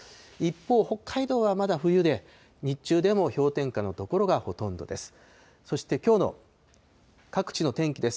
一方、北海道はまだ冬で、日中でも氷点下の所がほとんどです。